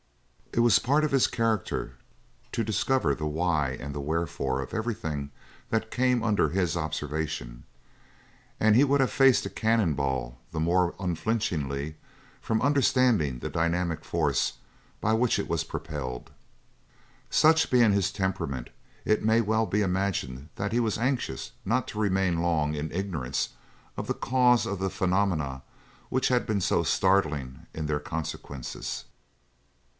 It was part of his character to discover the why and the wherefore of everything that came under his observation, and he would have faced a cannon ball the more unflinchingly from understanding the dynamic force by which it was propelled. Such being his temperament, it may well be imagined that he was anxious not to remain long in ignorance of the cause of the phenomena which had been so startling in their consequences.